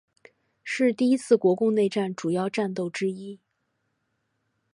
是第一次国共内战主要战斗之一。